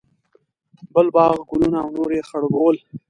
بل باغ، ګلونه او نور یې خړوبول.